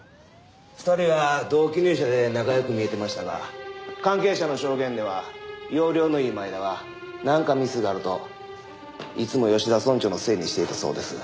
２人は同期入社で仲良く見えてましたが関係者の証言では要領のいい前田はなんかミスがあるといつも吉田村長のせいにしていたそうです。